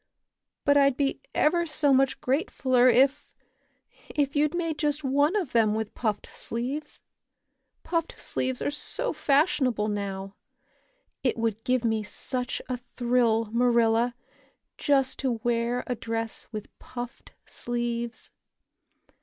"But I'd be ever so much gratefuller if if you'd made just one of them with puffed sleeves. Puffed sleeves are so fashionable now. It would give me such a thrill, Marilla, just to wear a dress with puffed sleeves."